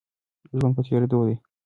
ژوند په تېرېدو دی.